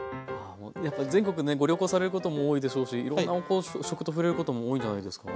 やっぱ全国ねご旅行されることも多いでしょうしいろんなこう食と触れることも多いんじゃないですか？